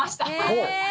へえ！